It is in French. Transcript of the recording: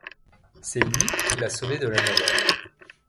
C'est lui qui l'a sauvée de la noyade.